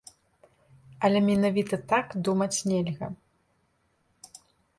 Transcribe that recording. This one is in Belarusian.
Але менавіта так думаць нельга.